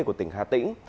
của tỉnh hà tĩnh